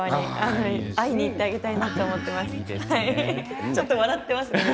会いに行ってあげたいなと思います。